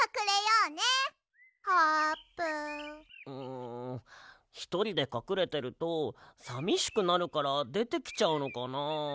んひとりでかくれてるとさみしくなるからでてきちゃうのかな。